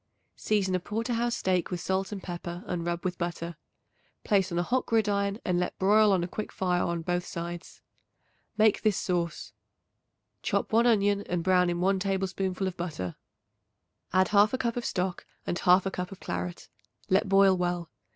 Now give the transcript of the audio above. Season a porter house steak with salt and pepper and rub with butter. Place on a hot gridiron and let broil on a quick fire on both sides. Make this sauce: Chop 1 onion and brown in 1 tablespoonful of butter; add 1/2 cup of stock and 1/2 cup of claret; let boil well.